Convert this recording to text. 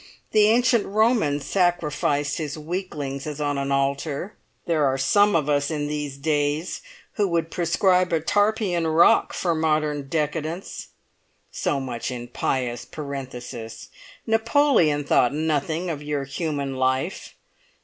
The ancient Roman sacrificed his weaklings as on an altar; there are some of us in these days who would prescribe a Tarpeian Rock for modern decadence. So much in pious parenthesis! Napoleon thought nothing of your human life.